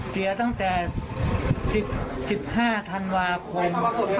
เสียตั้งแต่๑๕ธันวาคม